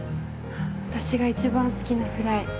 私が一番好きなフライ。